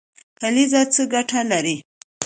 کلیزه څه ګټه لري؟